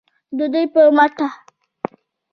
د دوی په مټه